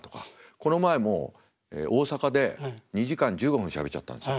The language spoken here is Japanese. この前も大阪で２時間１５分しゃべっちゃったんですよ。